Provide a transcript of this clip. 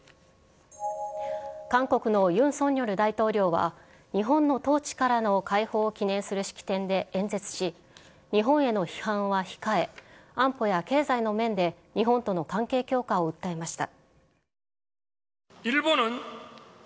韓国のユン・ソンニョル大統領は、日本の統治からの解放を記念する式典で演説し、日本への批判は控え、安保や経済の面で日本との関係強化を訴えました。